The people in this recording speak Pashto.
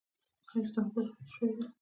ایا ستا مبایل خراب شوی ده؟